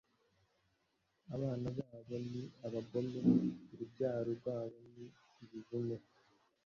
abana babo ni abagome, urubyaro rwabo ni ibivume